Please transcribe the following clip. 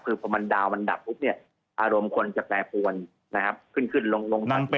คือพอมันดาวน์มันดับปุ๊บเนี่ยอารมณ์คนจะแปลปวนนะครับ